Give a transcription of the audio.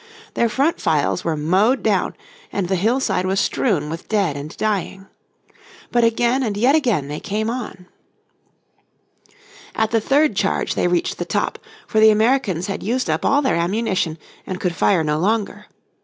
Their front riles were mowed down, and the hillside was strewn with dead and dying. But again and yet again they came on. At the third charge they reached the top, for the Americans had used up all their ammunition, and could fire no longer.